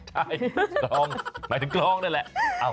ใช่กลองหมายถึงกลองนั่นแหละ